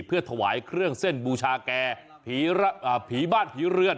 เพื่อถวายเครื่องเส้นบูชาแก่ผีบ้านผีเรือน